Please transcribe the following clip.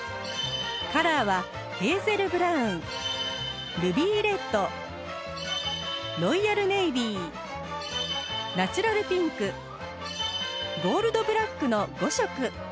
カラーはヘーゼルブラウンルビーレッドロイヤルネイビーナチュラルピンクゴールドブラックの５色